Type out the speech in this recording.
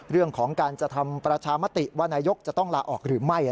เรื่องของการจะทำประชามติว่านายกจะต้องลาออกหรือไม่